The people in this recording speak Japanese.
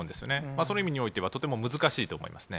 その意味においてはとても難しいと思いますね。